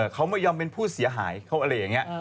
เขาไม่ยอมเป็นผู้เสียหายเขาอะไรอย่างนี้